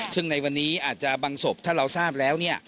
ซึ่งในวันนี้อาจจะบางศพถ้าเราทราบแล้ว